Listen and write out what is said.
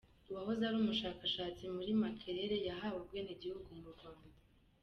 Uwahoze ari umushakashatsi muri Makerere yahawe ubwenegihugu bw’ u Rwanda.